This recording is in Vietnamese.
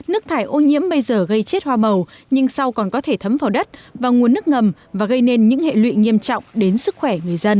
nước thải ô nhiễm bây giờ gây chết hoa màu nhưng sau còn có thể thấm vào đất và nguồn nước ngầm và gây nên những hệ lụy nghiêm trọng đến sức khỏe người dân